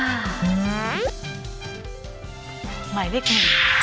สวัสดีค่ะ